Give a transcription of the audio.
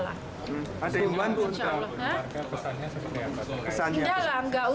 ada yang bantu